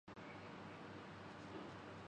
اب ہم معزز ہو گئے ہیں